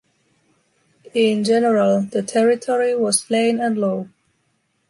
In general, the territory was plain and low.